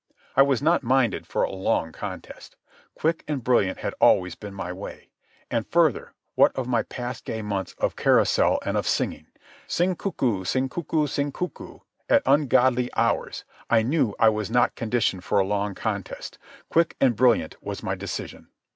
I was not minded for a long contest. Quick and brilliant had always been my way. And further, what of my past gay months of carousal and of singing "Sing cucu, sing cucu, sing cucu," at ungodly hours, I knew I was not conditioned for a long contest. Quick and brilliant was my decision.